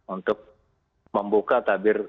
untuk membuka tabir